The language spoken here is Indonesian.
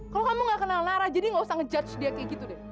kalau kamu nggak kenal nara jadi nggak usah ngejudge dia kayak gitu deh